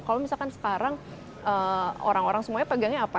kalau misalkan sekarang orang orang semuanya pegangnya apa